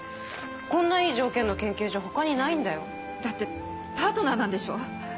こんないい条件の研究所他になだってパートナーなんでしょ？